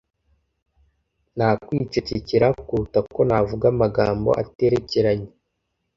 Nakwicecekera kuruta ko navuga amagambo aterekeranye